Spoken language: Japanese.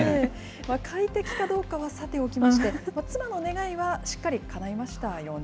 快適かどうかはさておきまして、妻の願いはしっかりかなえましたよね。